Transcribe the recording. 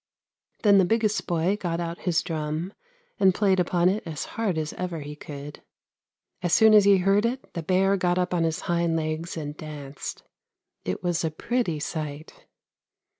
Then the biggest boy got out his drum, and played upon it as hard as ever he could; as soon as he heard it the bear got up on his hind legs and danced; it was a pretty sight.